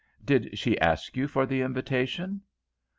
Did she ask you for the invitation?"